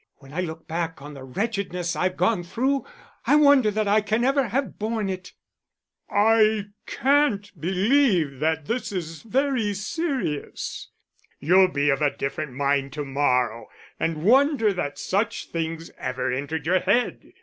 When I look back on the wretchedness I've gone through, I wonder that I can ever have borne it." "I can't believe that this is very serious. You'll be of a different mind to morrow, and wonder that such things ever entered your head.